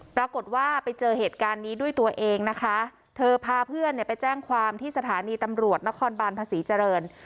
ปรากฏว่าไปเจอเหตุการณ์นี้ด้วยตัวเองนะคะเธอพาเพื่อนเนี่ยไปแจ้งความที่สถานีตำรวจนครบานภาษีเจริญ